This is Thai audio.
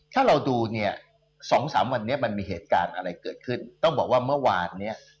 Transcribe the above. ถ้าเราดูเนี่ยสองสามวันนี้มันมีเหตุการณ์อะไรเกิดขึ้นต้องบอกว่าเมื่อวานเนี้ย